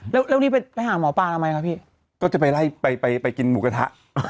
แล้วนี่ไปหาหมอปลาทำไมคะพี่ก็จะไปไล่ไปไปกินหมูกระทะ